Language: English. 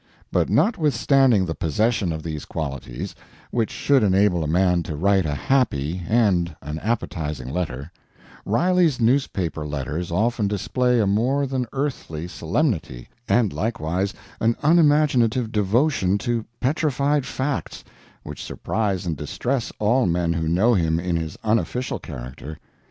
But notwithstanding the possession of these qualities, which should enable a man to write a happy and an appetizing letter, Riley's newspaper letters often display a more than earthly solemnity, and likewise an unimaginative devotion to petrified facts, which surprise and distress all men who know him in his unofficial character.